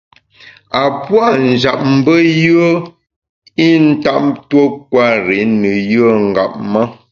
A puâ’ njap mbe yùe i ntap tuo kwer i ne yùe ngap ma.